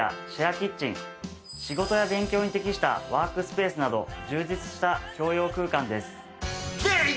キッチン仕事や勉強に適したワークスペースなど充実した共用空間です。